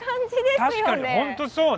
確かに本当そうね。